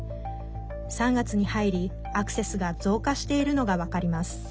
３月に入り、アクセスが増加しているのが分かります。